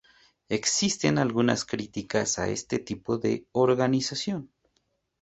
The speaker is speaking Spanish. Existen algunas críticas a este tipo de organización.